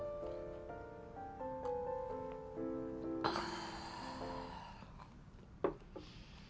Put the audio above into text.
あ。